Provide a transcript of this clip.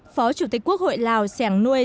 phó chủ tịch quốc hội lào sẻng nuôi